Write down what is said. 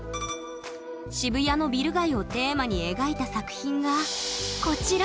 渋谷のビル街をテーマに描いた作品がこちら！